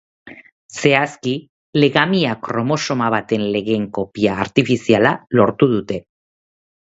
Zehazki, legamia kromosoma baten legen kopia artifiziala lortu dute.